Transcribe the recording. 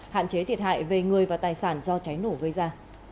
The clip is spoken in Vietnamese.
hạn chế thiệt hại về người và tài sản do cháy nổ gây ra